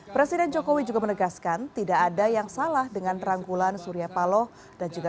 presiden jokowi juga menegaskan tidak ada yang salah dengan rangkulan surya paloh dan juga